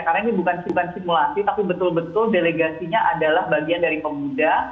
karena ini bukan simulasi tapi betul betul delegasinya adalah bagian dari pemuda